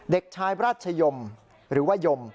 เด็กชายราชยมหรือว่ายม